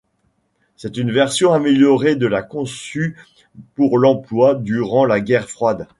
C'est une version améliorée de la conçue pour l'emploi durant la guerre froide.